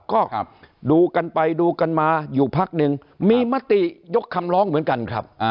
ก็ดูกันไปดูกันมาอยู่พักหนึ่งมีมติยกคำร้องเหมือนกันครับ